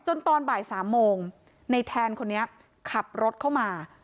ตอนบ่าย๓โมงในแทนคนนี้ขับรถเข้ามา